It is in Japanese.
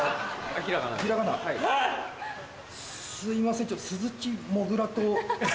あっすいません。